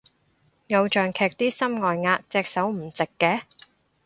偶像劇啲心外壓隻手唔直嘅